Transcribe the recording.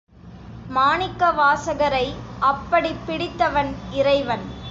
மாணிக்கவாசகரை அப்படிப் பிடித்தவன் இறைவன்.